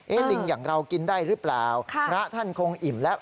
ลิงอย่างเรากินได้หรือเปล่าพระท่านคงอิ่มแล้ว